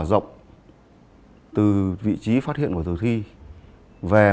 từ những tình tiết cơ bản